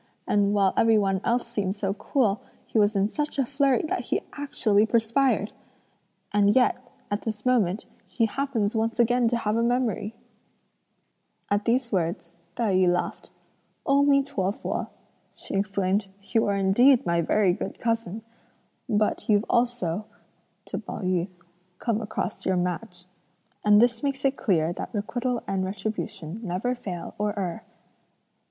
and while every one else seemed so cool, he was in such a flurry that he actually perspired! And yet, at this moment, he happens once again to have a memory!" At these words, Tai yü laughed. "O mi to fu!" she exclaimed. "You are indeed my very good cousin! But you've also (to Pao yü) come across your match. And this makes it clear that requital and retribution never fail or err."